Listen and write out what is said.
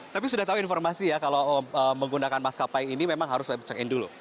tapi sudah tahu informasi ya kalau menggunakan maskapai ini memang harus lebih check in dulu